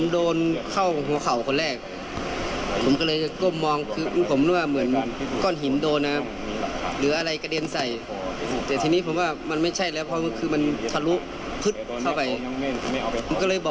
เดี๋ยวเราไปฟังกันครับ